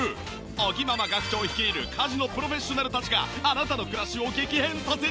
尾木ママ学長率いる家事のプロフェッショナルたちがあなたの暮らしを激変させちゃうかも！